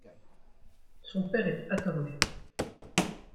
Son père est attorney.